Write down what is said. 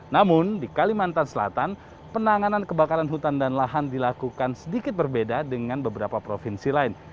namun di kalimantan selatan penanganan kebakaran hutan dan lahan dilakukan sedikit berbeda dengan beberapa provinsi lain